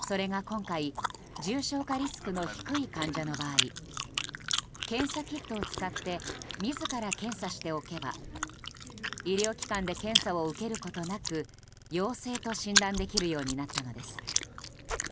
それが今回重症化リスクの低い患者の場合検査キットを使って自ら検査しておけば医療機関で検査を受けることなく陽性と診断できるようになったのです。